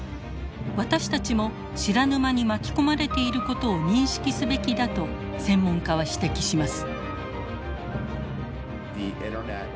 私たちも知らぬ間に巻き込まれていることを認識すべきだと専門家は指摘します。